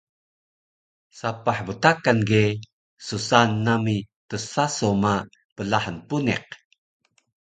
Sapah btakan ge ssaan nami tsaso ma plahan puniq